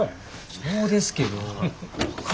そうですけど。